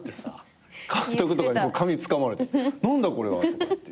監督とかに髪つかまれて「何だこれは」とかって。